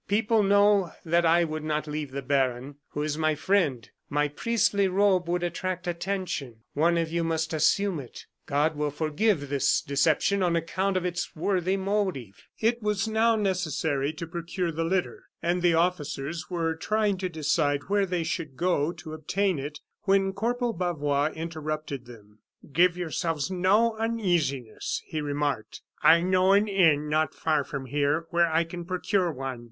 People know that I would not leave the baron, who is my friend; my priestly robe would attract attention; one of you must assume it. God will forgive this deception on account of its worthy motive." It was now necessary to procure the litter; and the officers were trying to decide where they should go to obtain it, when Corporal Bavois interrupted them. "Give yourselves no uneasiness," he remarked; "I know an inn not far from here where I can procure one."